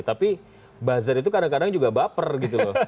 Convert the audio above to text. tapi buzzer itu kadang kadang juga baper gitu loh